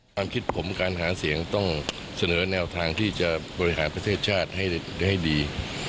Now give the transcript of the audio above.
ความคิดผมการหาเสียงต้องเสนอแนวทางที่จะบริหารประเทศชาติให้ดี